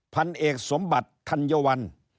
พันเอกสมบัติธัญวัล